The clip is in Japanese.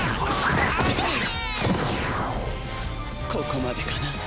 ここまでかな。